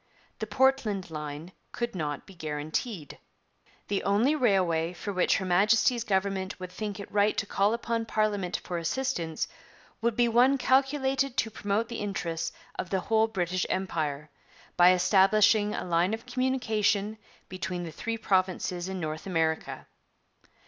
The Portland line could not be guaranteed. 'The only railway for which Her Majesty's Government would think it right to call upon Parliament for assistance would be one calculated to promote the interests of the whole British Empire, by establishing a line of communication between the three provinces in North America.'